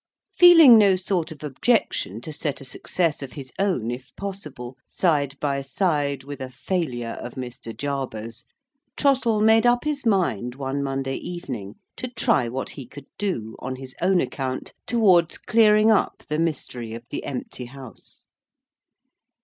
Feeling no sort of objection to set a success of his own, if possible, side by side with a failure of Mr. Jarber's, Trottle made up his mind, one Monday evening, to try what he could do, on his own account, towards clearing up the mystery of the empty House.